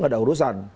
enggak ada urusan